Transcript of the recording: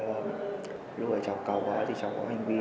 rồi lúc ấy cháu cao quá thì cháu có hành vi đậu xe